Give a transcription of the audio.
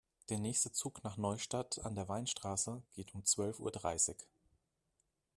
Der nächste Zug nach Neustadt an der Weinstraße geht um zwölf Uhr dreißig